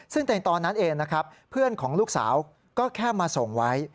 ซึ่งในตอนนั้นเองนะครับเพื่อนของลูกสาวก็แค่มาส่งไว้